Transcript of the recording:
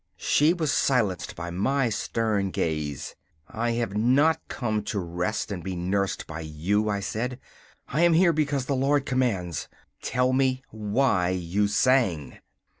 She was silenced by my stern gaze. 'I have not come to rest and be nursed by you,' I said. 'I am here because the Lord commands. Tell me why you sang.